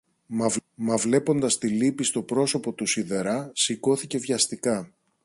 Μα βλέποντας τη λύπη στο πρόσωπο του σιδερά σηκώθηκε βιαστικά